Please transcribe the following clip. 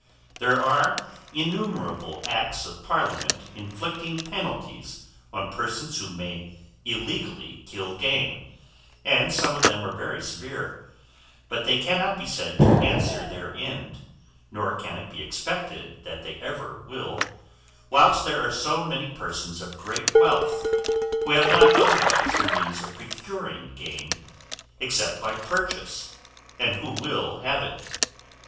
There are innumerable acts of parliament inflicting penalties on persons who may illegally kill game, and some of them are very severe; but they cannot be said to answer their end, nor can it be expected that they ever will, whilst there are so many persons of great wealth who have not otherwise the means of procuring game, except by purchase, and who will have it.